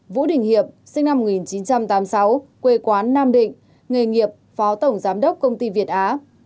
vũ đình hiệp sinh năm một nghìn chín trăm tám mươi sáu quê quán nam định nghề nghiệp phó tổng giám đốc công ty việt á